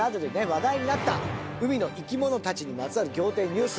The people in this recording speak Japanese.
話題になった海の生き物たちにまつわる仰天ニュース